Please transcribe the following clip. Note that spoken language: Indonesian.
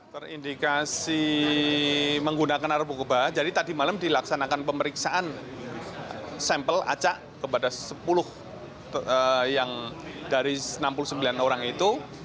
terindikasi menggunakan narkoba jadi tadi malam dilaksanakan pemeriksaan sampel acak kepada sepuluh yang dari enam puluh sembilan orang itu